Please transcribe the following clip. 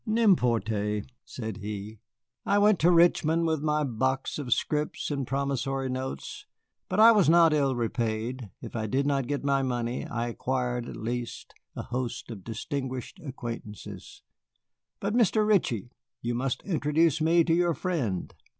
"N'importe," said he; "I went to Richmond with my box of scrip and promissory notes, but I was not ill repaid. If I did not get my money, I acquired, at least, a host of distinguished acquaintances. But, Mr. Ritchie, you must introduce me to your friend."